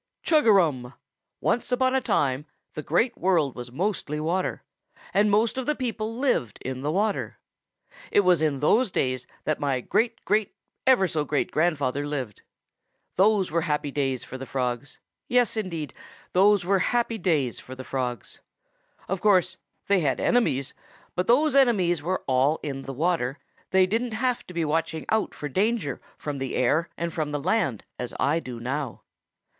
"Chug a rum! Once upon a time the Great World was mostly water, and most of the people lived in the water. It was in those days that my great great ever so great grandfather lived. Those were happy days for the Frogs. Yes, indeed, those were happy days for the Frogs. Of course they had enemies, but those enemies were all in the water. They didn't have to be watching out for danger from the air and from the land, as I do now.